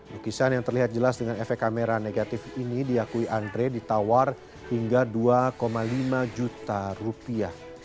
lukisan yang terlihat jelas dengan efek kamera negatif ini diakui andre ditawar hingga dua lima juta rupiah